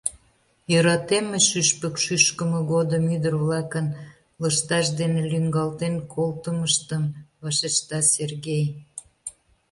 Йӧратем мый шӱшпык шӱшкымӧ годым ӱдыр-влакын лышташ дене лӱҥгалтен колтымыштым, — вашешта Сергей.